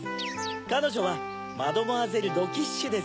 かのじょはマドモアゼル・ドキッシュです。